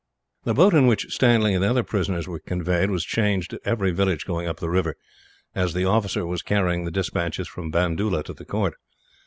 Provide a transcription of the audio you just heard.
The boat in which Stanley and the other prisoners were conveyed was changed at every village going up the river, as the officer was carrying the despatches from Bandoola to the court.